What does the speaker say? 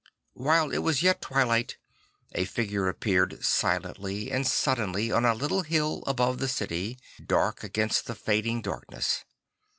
While it was yet twilight a figure appeared silently and suddenly on a little hill above the city, dark against the fading darkness.